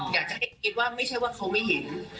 อยากจะให้คิดว่าไม่ใช่ว่าเขาไม่เห็น